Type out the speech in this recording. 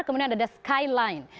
kemudian ada the skyline